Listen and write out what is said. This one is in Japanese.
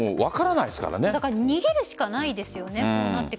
逃げるしかないですよね。